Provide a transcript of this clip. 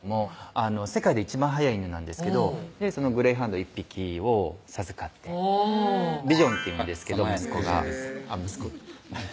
世界で一番速い犬なんですけどそのグレーハウンド１匹を授かってビジョンっていうんですけど息子が息子？